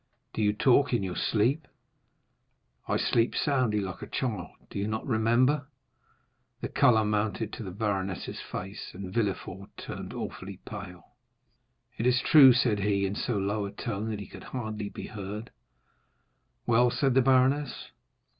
"Do you talk in your sleep?" 30275m "I sleep soundly, like a child; do you not remember?" The color mounted to the baroness's face, and Villefort turned awfully pale. "It is true," said he, in so low a tone that he could hardly be heard. "Well?" said the baroness.